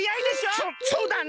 そそうだね